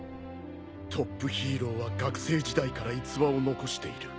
トップヒーローは学生時代から逸話を残している。